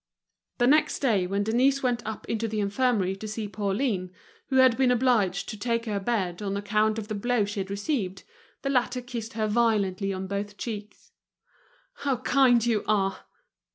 The next day when Denise went up into the infirmary to see Pauline, who had been obliged to take to her bed on account of the blow she had received, the latter kissed her violently on both cheeks. "How kind you are!